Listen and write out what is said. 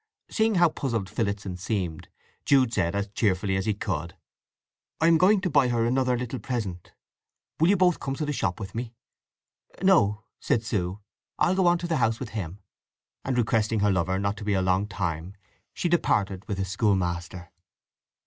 Seeing how puzzled Phillotson seemed, Jude said as cheerfully as he could, "I am going to buy her another little present. Will you both come to the shop with me?" "No," said Sue, "I'll go on to the house with him"; and requesting her lover not to be a long time she departed with the schoolmaster.